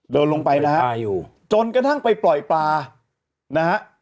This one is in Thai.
เดินลงไปนะฮะจนกระทั่งไปปล่อยปลานะฮะ